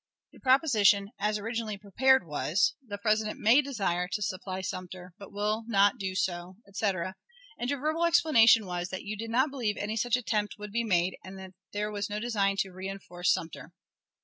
The proposition, as originally prepared, was, "The President may desire to supply Sumter, but will not do so," etc., and your verbal explanation was, that you did not believe any such attempt would be made, and that there was no design to reënforce Sumter.